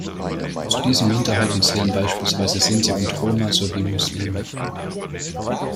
Zu diesen Minderheiten zählen beispielsweise Sinti und Roma sowie Muslime.